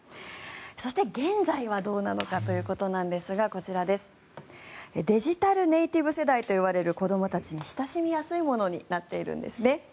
そして、現在はどうなのかということなんですがこちらデジタルネイティブ世代と呼ばれる子どもたちに親しみやすいものになっているんですね。